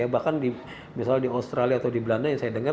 bahkan misalnya di australia atau di belanda yang saya dengar